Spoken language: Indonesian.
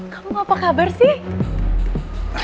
kamu apa kabar sih